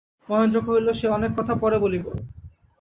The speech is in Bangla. মহেন্দ্র কহিল, সে অনেক কথা, পরে বলিব।